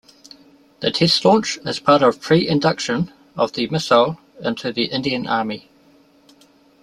The test launch is part of pre-induction of the missile into the Indian Army.